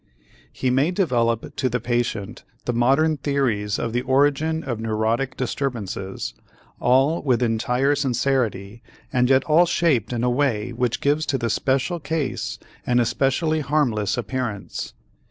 He may develop to the patient the modern theories of the origin of neurotic disturbances, all with entire sincerity and yet all shaped in a way which gives to the special case an especially harmless appearance.